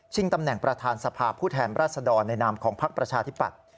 ชิงตำแหน่งประธานสภาพผู้แทนรัฐศดรในนามของพักประชาที่ปัด